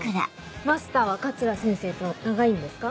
マスターは桂先生と長いんですか？